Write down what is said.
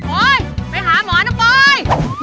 โอ๊ยไปหาหมอนะปล่อย